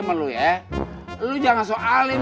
sama lu ya lu jangan soalin